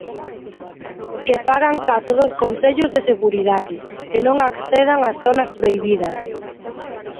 Que fagan caso dos consellos de seguridade, que non accedan ás zonas prohibidas.